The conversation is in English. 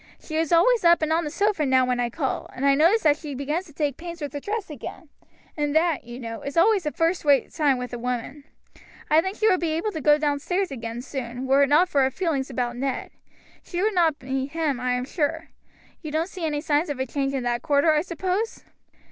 She is always up and on the sofa now when I call, and I notice that she begins to take pains with her dress again; and that, you know, is always a first rate sign with a woman. I think she would be able to go downstairs again soon, were it not for her feeling about Ned. She would not meet him, I am sure. You don't see any signs of a change in that quarter, I suppose?"